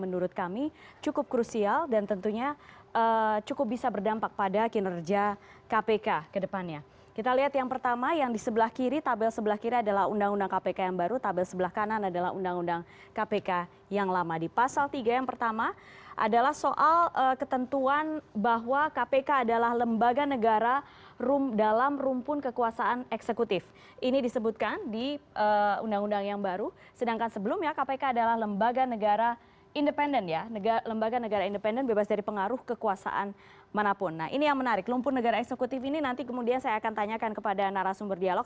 negara eksekutif ini nanti kemudian saya akan tanyakan kepada narasumber dialog